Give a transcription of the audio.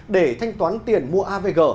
để thanh toán tiền mua avg